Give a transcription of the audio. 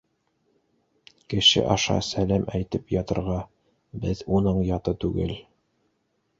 — Кеше аша сәләм әйтеп ятырға, беҙ уның яты түгел.